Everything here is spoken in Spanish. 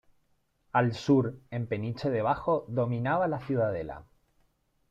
Al sur, en Peniche de Bajo, dominaba la "Ciudadela.